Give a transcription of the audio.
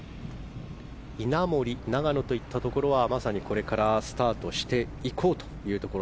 稲森、永野といったところはまさにこれからスタートしていこうというところ。